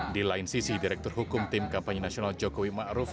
di lain sisi direktur hukum tim kampanye nasional jokowi ma'ruf